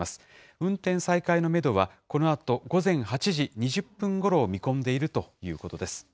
運転再開のメドは、このあと午前８時２０分ごろを見込んでいるということです。